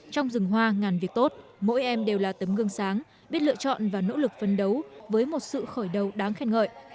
trong rừng hoa ngàn việc tốt mỗi em đều là tấm gương sáng biết lựa chọn và nỗ lực phân đấu với một sự khởi đầu đáng khen ngợi